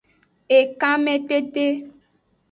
Ekanmetete.